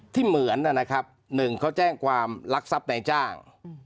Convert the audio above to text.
ที่เหมือนน่ะนะครับหนึ่งเขาแจ้งความลักษัพในจ้าง